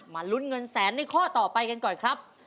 ลุ้นเงินแสนในข้อต่อไปกันก่อนครับ